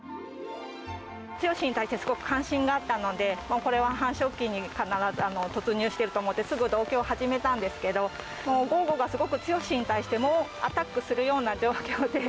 ツヨシに対してすごく関心があったので、これは繁殖期に必ず突入していると思って、すぐ同居を始めたんですけど、もう、ゴーゴがすごくツヨシに対して猛アタックするような状況で。